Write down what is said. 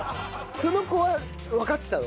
その子はわかってたの？